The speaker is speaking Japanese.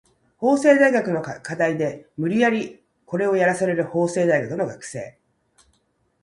法政大学の課題で無理やりコレをやらされる法政大学の学生